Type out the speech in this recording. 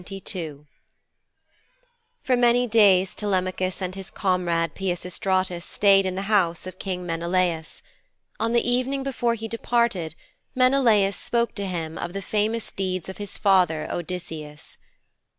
XXII For many days Telemachus and his comrade Peisistratus stayed in the house of King Menelaus. On the evening before he departed Menelaus spoke to him of the famous deeds of his father, Odysseus.